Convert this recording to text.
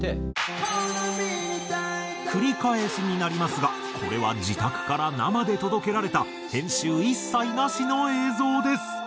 繰り返しになりますがこれは自宅から生で届けられた編集一切なしの映像です。